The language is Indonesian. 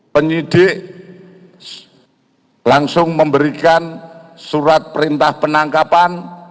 penyidik langsung memberikan surat perintah penangkapan